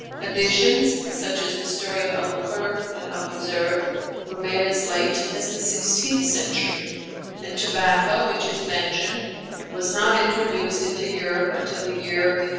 Additions, such as the 'Story of Abu Ker and Abu Zer,' were made as late as the sixteenth century; and tobacco, which is mentioned, was not introduced into Europe until the year 1560.